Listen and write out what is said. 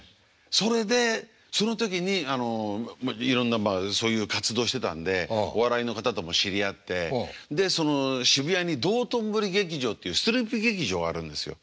それでその時にいろんなそういう活動してたんでお笑いの方とも知り合ってで渋谷に道頓堀劇場っていうストリップ劇場があるんですよ。